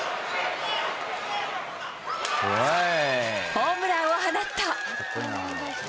ホームランを放った。